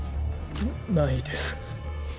ないです。